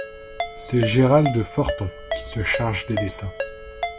C’est Gérald Forton qui se charge des dessins.